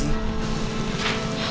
tunggu ya mas